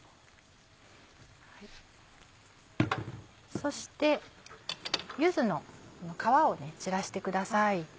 そして柚子の皮を散らしてください。